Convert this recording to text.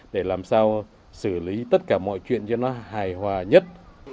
để làm sao xử lý tất cả mọi chuyện cho nó hài hòa nhất